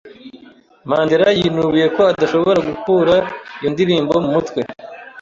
Mandera yinubiye ko adashobora gukura iyo ndirimbo mu mutwe.